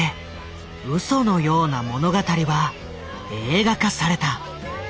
うそのような物語は映画化された。